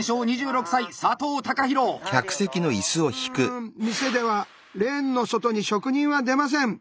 うん店ではレーンの外に職人は出ません！